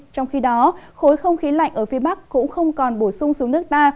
trong khi đó khối không khí lạnh ở phía bắc cũng không còn bổ sung xuống nước ta